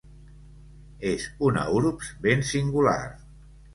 És una urbs ben singular.